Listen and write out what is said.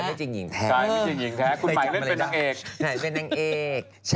คุณใหม่เล่นเป็นนางเอก